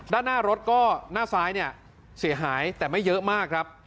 ด้านหน้ารถก็หน้าซ้ายเนี่ยเสียหายแต่ไม่เยอะมากครับ